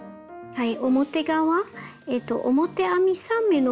はい。